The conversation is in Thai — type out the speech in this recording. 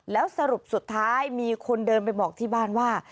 แล้วสรุปสุดท้ายมีคนเดินไปบอกที่บ้านว่า